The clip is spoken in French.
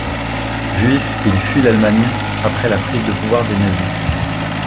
Juif, il fuit l'Allemagne après la prise de pouvoir des nazis.